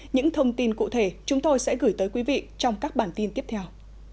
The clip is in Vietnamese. những thông tin cụ thể chúng tôi sẽ gửi tới quý vị trong các bản tin tiếp theo